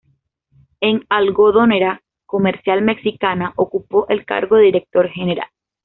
En Algodonera Comercial Mexicana ocupó el cargo de Director general.